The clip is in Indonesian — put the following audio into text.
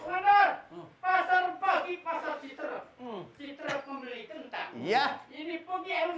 eh pakar pasar pagi pasar si terep si terep membeli kentang